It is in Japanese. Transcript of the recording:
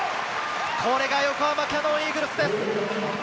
これが横浜キヤノンイーグルスです！